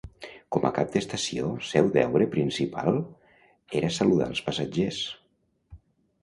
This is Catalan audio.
Com a cap d'estació seu deure principal era saludar els passatgers.